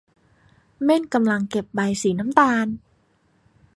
เม่นกำลังเก็บใบสีน้ำตาล